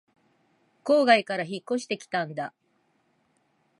郊外から引っ越してきたんだ